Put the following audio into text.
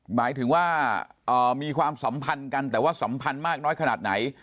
หมายถึงว่ามีความสัมพันธ์กันแต่ว่าสัมพันธ์มากน้อยขนาดไหน